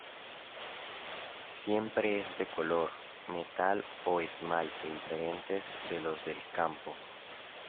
Siempre es de color, metal o esmalte diferentes de los del campo.